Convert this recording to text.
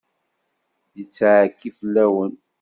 Yettɛekki fell-awen.